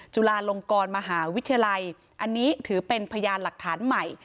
จุฬาลงกรมหาวิทยาลัยอันนี้ถือเป็นพยานหลักฐานใหม่